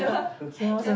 すみません。